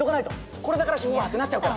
「これだから主婦は」ってなっちゃうから。